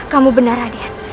kamu benar raden